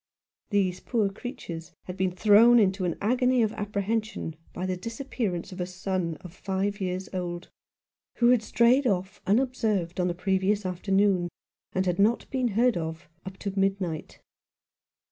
These poor creatures had been thrown into an agony of apprehension by the disappearance of a son of five years old, who had strayed off unobserved on the previous afternoon, and had not been heard of up to midnight.